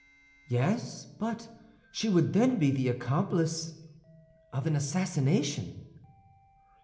"Yes; but she would then be the accomplice of an assassination."